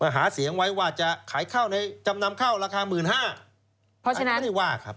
หาเสียงไว้ว่าจะจำนำเข้าราคา๑๕๐๐๐ข้าวไม่ได้ว่า